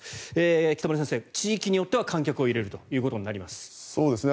北村先生、地域によっては観客を入れるということになります。